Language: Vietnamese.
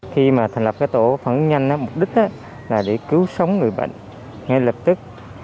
khi mà thành lập cái tổ phản nhanh mục đích là để cứu sống người bệnh ngay lập tức